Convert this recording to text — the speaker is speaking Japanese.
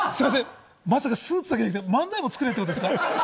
まさかスーツだけでなく、漫才も作れってことですか？